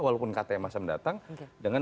walaupun ktm masih mendatang dengan